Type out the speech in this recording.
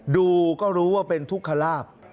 ดูก็รู้ว่าเป็นทุกขลาบ